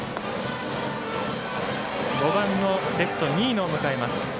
５番のレフト新納を迎えます。